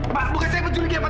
pak bukan saya mau juri dia pak